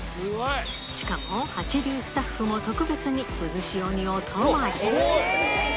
しかも、８流スタッフも特別にうずしおにお泊まり。